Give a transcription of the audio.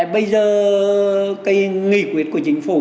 bây giờ cái nghị quyết của chính phủ